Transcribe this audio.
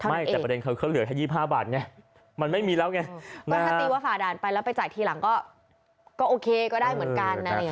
ไม่แต่ประเด็นเขาเหลือแค่๒๕บาทไงมันไม่มีแล้วไงก็ถ้าตีว่าฝ่าด่านไปแล้วไปจ่ายทีหลังก็โอเคก็ได้เหมือนกันอะไรอย่างนี้